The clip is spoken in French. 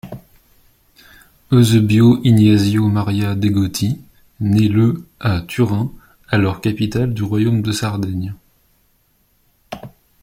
Eusebio Ignazio Maria Degotti naît le à Turin, alors capitale du royaume de Sardaigne.